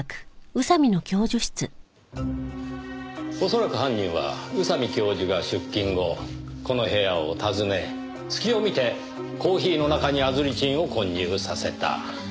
恐らく犯人は宇佐美教授が出勤後この部屋を訪ね隙を見てコーヒーの中にアズリチンを混入させた。